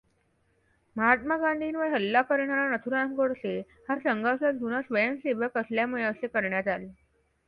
महात्मा गांधींवर हल्ला करणारा नथुराम गोडसे हा संघाचा जुना स्वयंसेवक असल्यामुळे असे करण्यात आले.